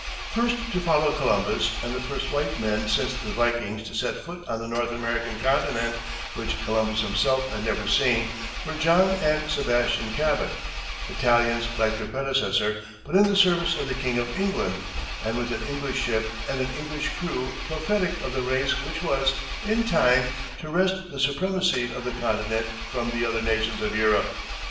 First to follow Columbus, and the first white men since the vikings to set foot on the North American continent, which Columbus himself had never seen, were John and Sebastian Cabot, Italians like their predecessor, but in the service of the King of England and with an English ship and an English crew prophetic of the race which was, in time, to wrest the supremacy of the continent from the other nations of Europe.